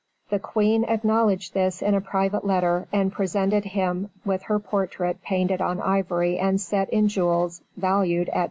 The Queen acknowledged this in a private letter, and presented him with her portrait painted on ivory and set in jewels, valued at $255,000.